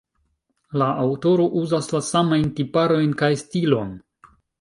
La aŭtoro uzas la samajn tiparojn kaj stilon.